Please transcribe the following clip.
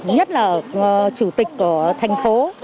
nhất là chủ tịch của thành phố